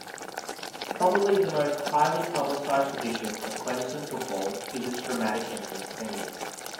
Probably the most highly publicized tradition of Clemson football is its dramatic entrance scene.